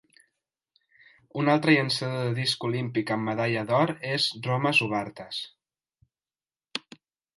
Un altre llançador de disc olímpic amb medalla d'or és Romas Ubartas.